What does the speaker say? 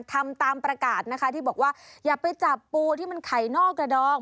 ทำตามประกาศนะคะที่บอกว่าอย่าไปจับปูที่มันไข่นอกกระดอง